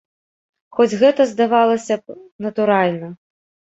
Хоць гэта, здавалася б, натуральна.